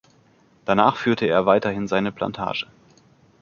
Danach führte er weiterhin seine Plantage.